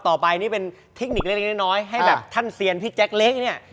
ต่อไปนี่เป็นเทคนิคเล็กน้อยให้แบบท่านเซียนพี่แจ็คเละเนี่ย